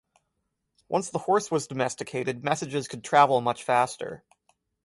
Once the horse was domesticated messages could travel much faster.